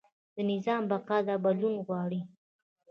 د نظام بقا دا بدلون غواړي.